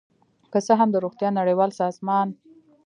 که څه هم د روغتیا نړیوال سازمان